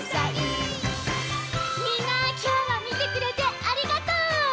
みんなきょうはみてくれてありがとう！